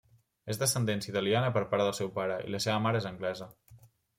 És d'ascendència italiana per part del seu pare i la seva mare és anglesa.